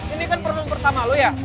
ini kan perhubungan pertama lu ya